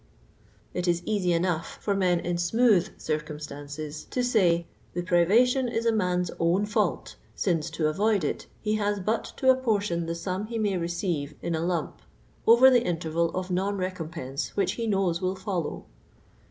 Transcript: It is easy enough for men in smooth circum stances to say, " the privation is a man's own fault, since, to avoid it, he has but to apportion the sum he may receive in a lump over the interval of non recomiHJUsc which he knows will follow."